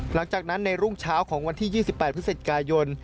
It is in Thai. หลังจากนั้นในรุ่งเช้าของวันที่๒๘พฤศจิกายน